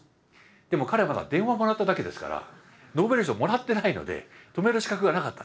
でも彼はまだ電話をもらっただけですからノーベル賞もらってないので止める資格がなかった。